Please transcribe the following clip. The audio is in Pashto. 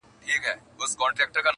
په لغتو مه څیره د خره پالانه!!